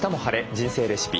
人生レシピ」